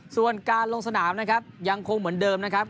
ส่วนการลงสนามนะครับยังคงเหมือนเดิมนะครับ